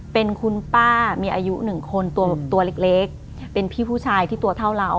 เป็นคุณป้ามีอายุหนึ่งคนตัวเล็กเป็นพี่ผู้ชายที่ตัวเท่าเรา